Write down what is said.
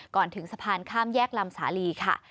ถึงสะพานข้ามแยกลำสาลีค่ะ